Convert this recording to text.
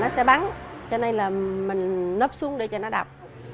nó sẽ bắn cho nên là mình nấp xuống để cho nó đập